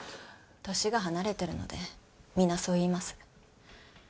年が離れてるので皆そう言います。